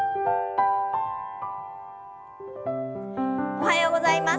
おはようございます。